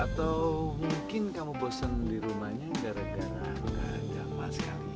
atau mungkin kamu bosen dirumahnya gara gara keadaan mas kali ini